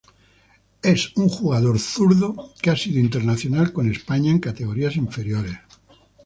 Es un jugador zurdo que ha sido internacional con España en categorías inferiores.